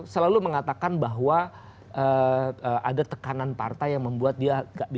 sajidah berikut ini